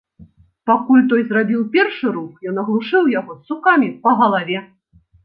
Пакуль той зрабіў першы рух, ён аглушыў яго сукамі па галаве.